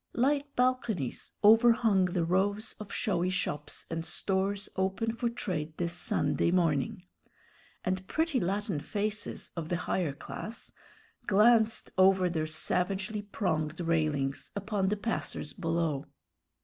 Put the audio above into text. Light balconies overhung the rows of showy shops and stores open for trade this Sunday morning, and pretty Latin faces of the higher class glanced over their savagely pronged railings upon the passers below.